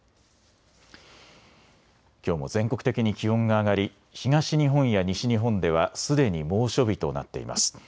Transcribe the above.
きょうも全国的に気温が上がり東日本や西日本ではすでに猛暑日となっています。